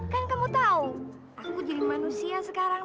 kan kamu tahu aku jadi manusia sekarang